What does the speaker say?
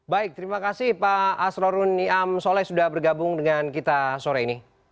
baik terima kasih pak asrorun niam soleh sudah bergabung dengan kita sore ini